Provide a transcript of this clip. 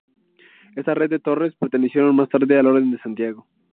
Esta red de torres pertenecieron más tarde a la Orden de Santiago.